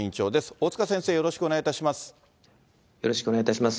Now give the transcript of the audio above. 大塚先生、よろしくお願いいたします。